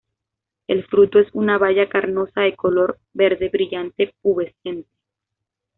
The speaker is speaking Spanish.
El fruto es un baya carnosa, de color, verde brillante, pubescente.